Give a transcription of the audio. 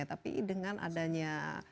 tapi dengan adanya